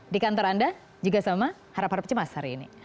di kantor anda juga sama harap harap cemas hari ini